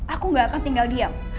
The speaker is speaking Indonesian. aku gak akan tinggal diam